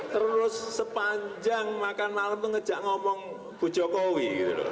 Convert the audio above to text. terus sepanjang makan malam itu ngejak ngomong bu jokowi